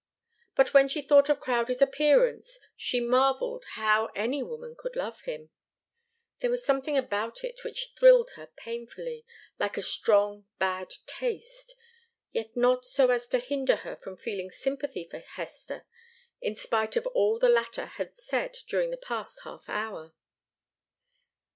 But when she thought of Crowdie's appearance, she marvelled how any woman could love him. There was something about it which thrilled her painfully, like a strong, bad taste yet not so as to hinder her from feeling sympathy for Hester, in spite of all the latter had said during the past half hour.